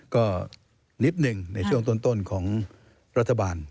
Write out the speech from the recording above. ก็นิดหนึ่งในช่วงต้นของรัฐบาล